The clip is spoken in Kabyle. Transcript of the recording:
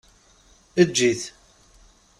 Eǧǧ-it!